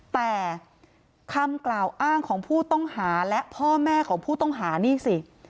แต่คำกล่าวอ้างของผู้ต้องหาและพ่อแม่ของผู้ต้องหานี่สิ